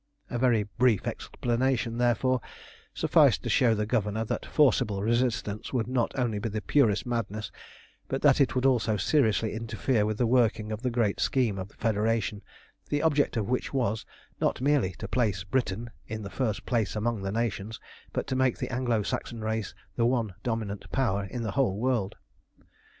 A very brief explanation, therefore, sufficed to show the Governor that forcible resistance would not only be the purest madness, but that it would also seriously interfere with the working of the great scheme of Federation, the object of which was, not merely to place Britain in the first place among the nations, but to make the Anglo Saxon race the one dominant power in the whole world.